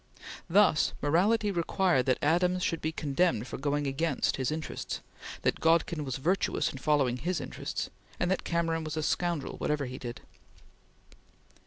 Thus morality required that Adams should be condemned for going against his interests; that Godkin was virtuous in following his interests; and that Cameron was a scoundrel whatever he did.